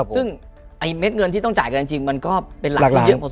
ซึ่งไอ้เม็ดเงินที่ต้องจ่ายเงินจริงมันก็เป็นหลักหล้าง